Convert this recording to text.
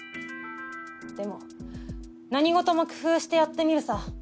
でも何事も工夫してやってみるさ。